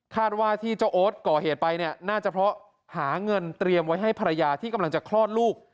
ว่าที่เจ้าโอ๊ตก่อเหตุไปเนี่ยน่าจะเพราะหาเงินเตรียมไว้ให้ภรรยาที่กำลังจะคลอดลูก